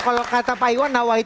kalau kata pak edwan